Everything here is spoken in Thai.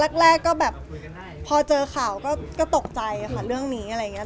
แรกก็แบบพอเจอข่าวก็ตกใจค่ะเรื่องนี้อะไรอย่างนี้